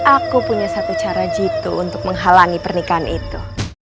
aku punya satu cara jitu untuk menghalangi pernikahan itu